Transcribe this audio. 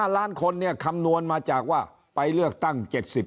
๕ล้านคนเนี่ยคำนวณมาจากว่าไปเลือกตั้ง๗๐